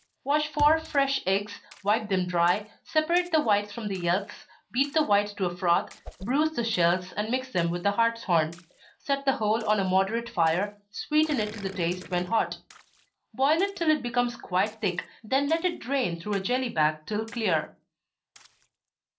Wash four fresh eggs, wipe them dry, separate the whites from the yelks, beat the whites to a froth, bruise the shells, and mix them with the hartshorn set the whole on a moderate fire sweeten it to the taste when hot. Boil it till it becomes quite thick, then let it drain through a jelly bag till clear.